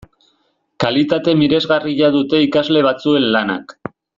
Kalitate miresgarria dute ikasle batzuen lanak.